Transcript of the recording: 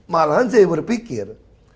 malahan saya berpikir